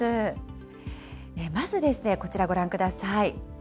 まずですね、こちらご覧ください。